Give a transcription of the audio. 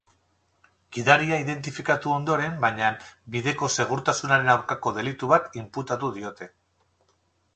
Gidaria identifikatu ondoren, baina, bideko segurtasunaren aurkako delitu bat inputatu diote.